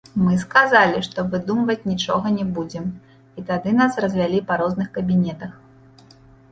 Мы сказалі, што выдумваць нічога не будзем, і тады нас развялі па розных кабінетах.